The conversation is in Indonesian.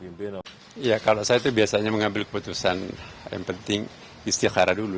masih terbuka peluang untuk menerima tawaran itu